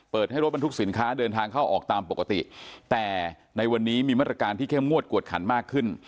ให้รถบรรทุกสินค้าเดินทางเข้าออกตามปกติแต่ในวันนี้มีมาตรการที่เข้มงวดกวดขันมากขึ้น